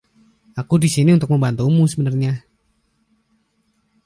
Aku di sini untuk membantumu sebenarnya.